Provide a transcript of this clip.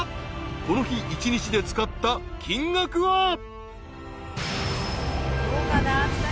［この日１日で使った金額は］